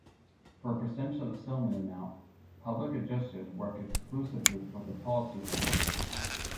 For a percentage of the settlement amount, Public adjusters work exclusively for the policyholder.